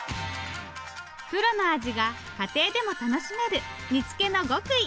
プロの味が家庭でも楽しめる煮つけの極意。